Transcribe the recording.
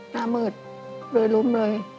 หน้ามืดเลยล้มเลย